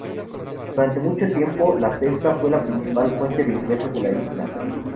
Durante mucho tiempo, la pesca fue la principal fuente de ingresos de la isla.